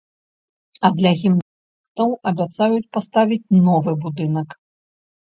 А для гімназістаў абяцаюць паставіць новы будынак.